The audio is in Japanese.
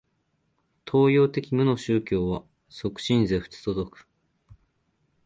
東洋的無の宗教は即心是仏と説く。